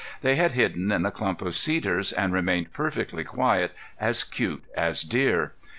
They had hidden in a clump of cedars and remained perfectly quiet, as cute as deer.